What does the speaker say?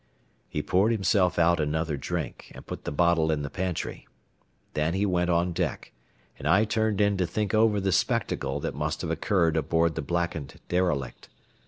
He poured himself out another drink, and put the bottle in the pantry. Then he went on deck, and I turned in to think over the spectacle that must have occurred aboard the blackened derelict.